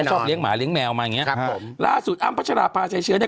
ชอบเลี้ยหมาเลี้ยแมวมาอย่างเงี้ครับผมล่าสุดอ้ำพัชราภาชัยเชื้อเนี่ย